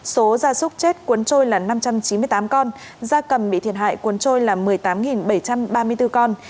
số gia súc chết cuốn trôi là năm trăm chín mươi tám con da cầm bị thiệt hại cuốn trôi là một mươi tám bảy trăm ba mươi bốn con